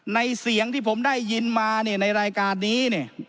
เสียงที่ผมได้ยินมาในรายการนี้